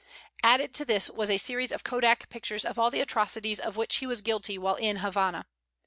Added to this was a series of Kodak pictures of all the atrocities of which he was guilty while in Havana.